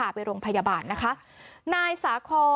ภาไปโรงพยาบาลนะคะอย่างอื่นก่อนแล้วก็